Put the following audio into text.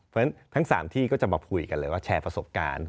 เพราะฉะนั้นทั้ง๓ที่ก็จะมาคุยกันเลยว่าแชร์ประสบการณ์